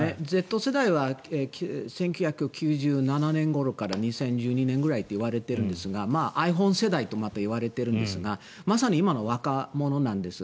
Ｚ世代は１９９７年ごろから２０１２年ぐらいといわれているんですがｉＰｈｏｎｅ世代とまた言われているんですがまさに今の若者なんです。